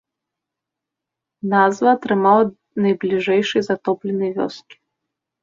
Назва атрымаў ад найбліжэйшай затопленай вёскі.